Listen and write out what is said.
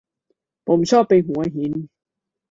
ผมชอบไปหัวหิน